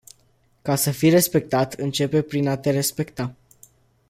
Ca să fii respectat, începe prin a te respecta.